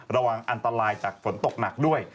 ระวังอันตรายจากฝนตกหนักด้วย